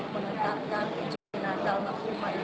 menentarkan penjelasan makhluk makhluk